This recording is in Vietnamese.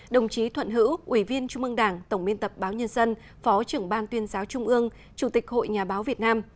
đồng chí thuận hữu ủy viên trung ương đảng tổng biên tập báo nhân dân phó trưởng ban tuyên giáo trung ương chủ tịch hội nhà báo việt nam